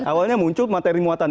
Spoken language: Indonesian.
awalnya muncul materi muatan